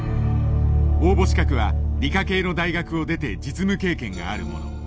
応募資格は理科系の大学を出て実務経験がある者。